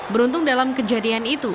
beruntung dalam kejadian itu